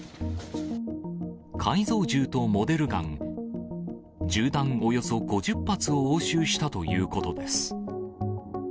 改造銃とモデルガン、銃弾およそ５０発を押収したということです。